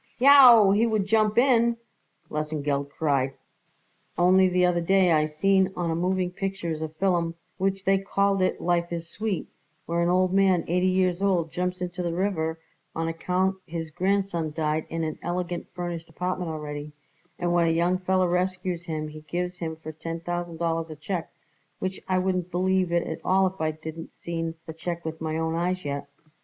"Yow, he would jump in!" Lesengeld cried. "Only the other day I seen on a moving pictures a fillum which they called it Life is Sweet, where an old man eighty years old jumps into the river on account his grandson died in an elegant furnished apartment already; and when a young feller rescues him he gives him for ten thousand dollars a check, which I wouldn't believe it at all if I didn't seen the check with my own eyes yet.